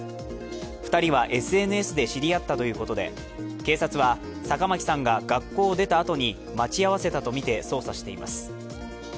２人はＳＮＳで知り合ったということで警察は坂巻さんが学校を出たあとに待ち合わせたとみて捜査しています。